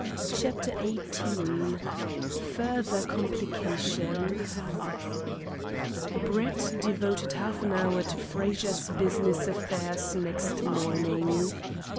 CHAPTER XVIII FURTHER COMPLICATIONS Brett devoted half an hour to Frazer's business affairs next morning.